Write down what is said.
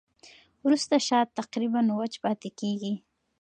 وروسته شات تقریباً وچ پاتې کېږي.